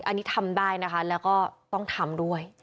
อันนี้ทำได้นะคะแล้วก็ต้องทำด้วย